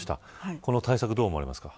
この対策どう思いますか。